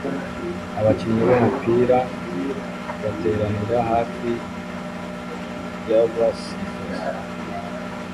Abakinnyi b'umupira bateranira hafi yabasifuzi